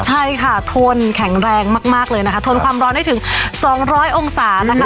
ใช่ค่ะทนแข็งแรงมากเลยนะคะทนความร้อนให้ถึง๒๐๐องศานะคะ